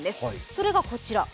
それがこちら。